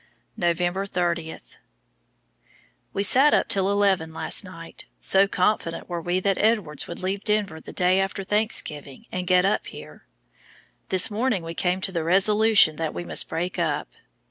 November 30. We sat up till eleven last night, so confident were we that Edwards would leave Denver the day after Thanksgiving and get up here. This morning we came to the resolution that we must break up.